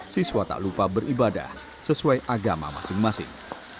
siswa tak lupa beribadah sesuai agama masing masing